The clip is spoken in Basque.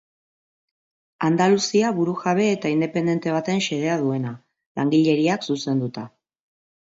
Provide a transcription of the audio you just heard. Andaluzia burujabe eta independente baten xedea duena, langileriak zuzenduta.